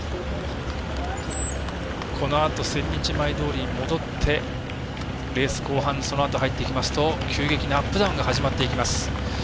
このあと千日前通に戻ってレース後半にそのあと入ってきますと急激なアップダウンが始まっていきます。